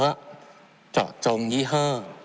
เพราะเจาะจงยี่เฮ้อ